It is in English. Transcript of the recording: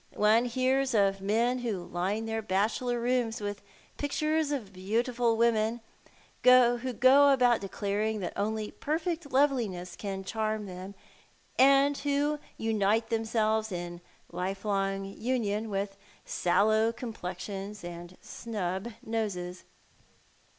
One hears of men who line their bachelor rooms with pictures of beautiful women — who go about declaring that only perfect loveliness can charm them— and who unite themselves in lifelong union with sallow comiDlexions and snub noses.